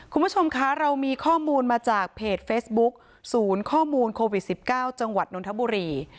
คุณผู้ชมคะเรามีข้อมูลมาจากเพจเฟซบุ๊คศูนย์ข้อมูลโควิด๑๙จังหวัดนทบุรี